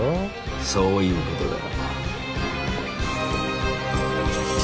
そういうことだよ